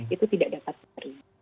itu tidak dapat diterima